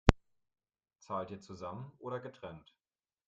Zahlt ihr zusammen oder getrennt?